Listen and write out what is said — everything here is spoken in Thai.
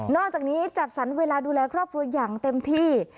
อกจากนี้จัดสรรเวลาดูแลครอบครัวอย่างเต็มที่